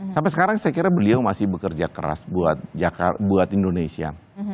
sampai sekarang saya kira beliau masih bekerja keras buat indonesia